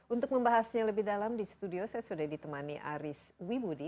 untuk membahasnya lebih dalam di studio saya sudah ditemani aris wibudi